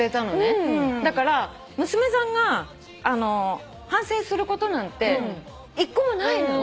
だから娘さんが反省することなんて一個もないのよ。